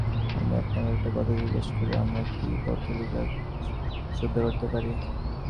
আমি আপনাকে একটা কথা জিজ্ঞাসা করি, আমরা কি পৌত্তলিকতাকেও শ্রদ্ধা করতে পারি?